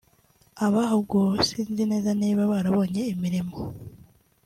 Abahuguwe sinzi neza niba barabonye imirimo